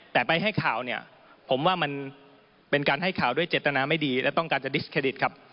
แต่ไปให้ข่าวเนี่ยผมว่ามันเป็นการให้ข่าวด้วยเจตนาไม่ดีและต้องการจะดิสเครดิตครับ